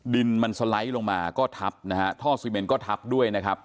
ดินมันสไลด์ลงมาก็ทับนะฮะท่อซีเมนก็ทับด้วยนะครับ